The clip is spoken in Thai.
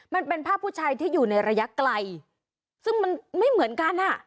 มันเป็นภาพผู้ชายที่อยู่ในระยะไกลซึ่งมันไม่เหมือนกันอ่ะ